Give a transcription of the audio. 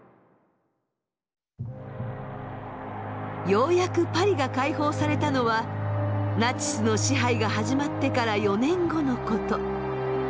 ようやくパリが解放されたのはナチスの支配が始まってから４年後のこと。